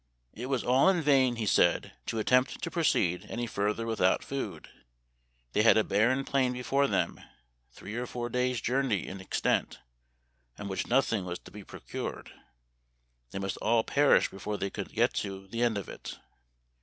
' It was all in vain,' he said, ' to attempt to proceed any further without food. They had a barren plain before them, three or four days' journey in ex tent, on which nothing was to be procured. They must all perish before they could get to the end of it.